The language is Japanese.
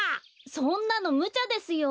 そんなのむちゃですよ。